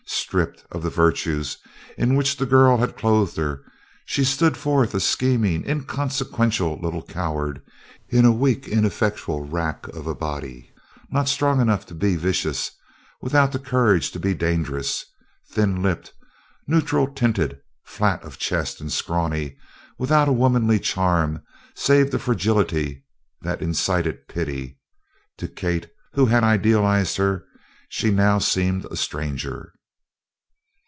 Stripped of the virtues in which the girl had clothed her, she stood forth a scheming, inconsequential little coward in a weak ineffectual rack of a body not strong enough to be vicious, without the courage to be dangerous. Thin lipped, neutral tinted, flat of chest and scrawny, without a womanly charm save the fragility that incited pity; to Kate who had idealized her she now seemed a stranger.